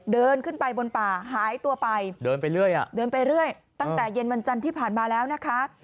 เดินขึ้นไปบนป่าหายตัวไปเดินไปเรื่อยตั้งแต่เย็นวันจันทร์ที่ผ่านมาแล้วนะคะ